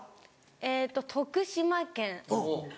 えっと徳島県。